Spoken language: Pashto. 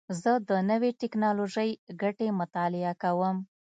زه د نوې ټکنالوژۍ ګټې مطالعه کوم.